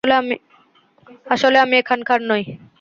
আসলে আমি এখানকার নই।